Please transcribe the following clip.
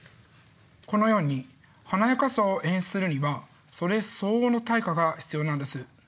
このように華やかさを演出するにはそれ相応の対価が必要なんです。